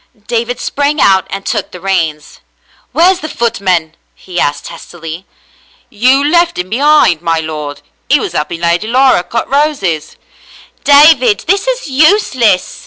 David sprang out and took the reins. "Where's the footman .f^" he asked testily. "You left 'im behind, my lord. He was 'elping Lady Laura cut roses." " David, this is useless.